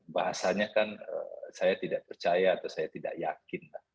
bahasanya kan saya tidak percaya atau saya tidak yakin